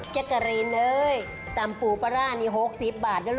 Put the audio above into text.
เจกรินตำปูปลาร่านี้๖๐บาท